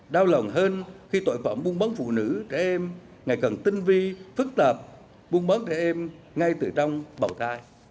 đau lòng hơn khi tội phẩm buôn bắn phụ nữ trẻ em ngày cần tinh vi phức tạp buôn bắn trẻ em ngay từ trong bầu tai